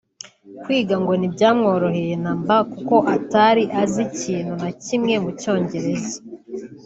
Kwiga ngo ntibyamworoheye namba kuko atari azi ikintu na kimwe mu cyongereza